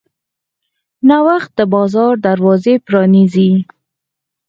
نوښت د بازار دروازې پرانیزي.